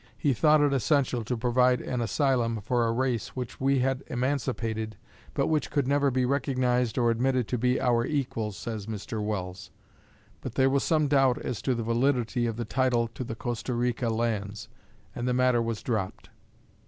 He "thought it essential to provide an asylum for a race which we had emancipated but which could never be recognized or admitted to be our equals," says Mr. Welles. But there was some doubt as to the validity of the title to the Costa Rica lands, and the matter was dropped.